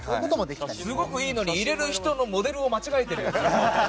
すごくいいのに入れる人のモデルを間違えてる！